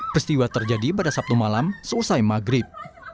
peristiwa terjadi pada sabtu malam seusai maghrib